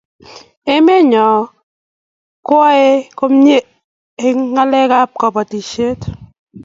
emet nenyon koae komie eng ngalek ab kabatishiet